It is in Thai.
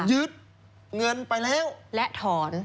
ยึดเงินไปแล้วและถอน